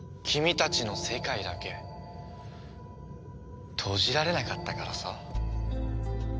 君たちの世界だけ閉じられなかったからさ。